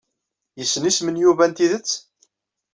Yessen isem n Yuba n tidet?